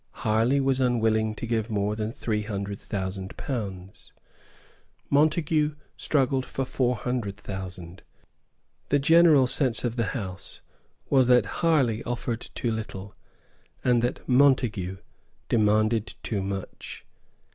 Harley was unwilling to give more than three hundred thousand pounds. Montague struggled for four hundred thousand. The general sense of the House was that Harley offered too little, and that Montague demanded too much.